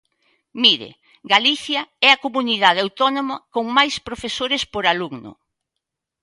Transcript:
Mire, Galicia é a comunidade autónoma con máis profesores por alumno.